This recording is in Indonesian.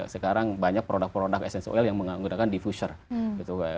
sekarang banyak produk produk essential oil yang menggunakan diffuser gitu